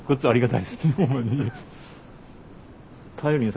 ありがとう。